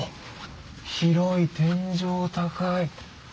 広い天井高い。